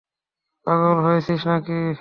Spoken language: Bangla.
পাগল হয়েছিস না কি?